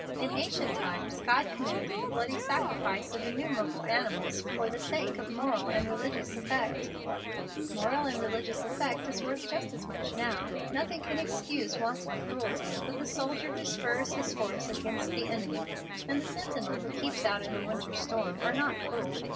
In ancient times God commanded the bloody sacrifice of innumerable animals for the sake of moral and religious effect. Moral and religious effect is worth just as much now. Nothing can excuse wanton cruelty; but the soldier who spurs his horse against the enemy, and the sentinel who keeps his out in a winter storm, are not cruel.